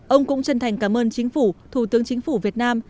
ông cũng chân thành cảm ơn chính phủ thủ tướng chính phủ việt nam